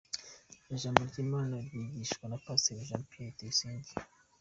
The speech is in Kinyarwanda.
Ijambo ry’Imana rizigishwa na Pasiteri Jean Pierre Tuyisenge.